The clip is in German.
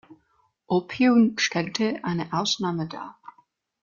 Opium stellte eine Ausnahme dar.